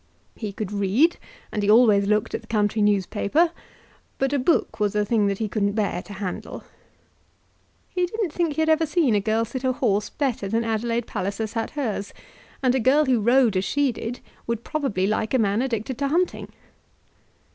He could read, and he always looked at the country newspaper; but a book was a thing that he couldn't bear to handle. He didn't think he had ever seen a girl sit a horse better than Adelaide Palliser sat hers, and a girl who rode as she did would probably like a man addicted to hunting.